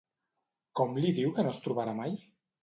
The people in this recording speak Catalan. Com li diu que no es trobarà mai?